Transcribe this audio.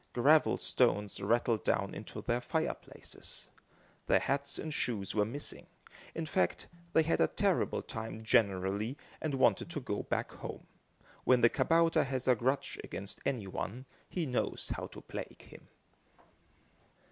Gravel stones rattled down into their fireplaces. Their hats and shoes were missing. In fact, they had a terrible time generally and wanted to go back home. When the kabouter has a grudge against any one, he knows how to plague him.